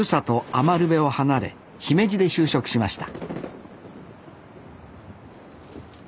余部を離れ姫路で就職しました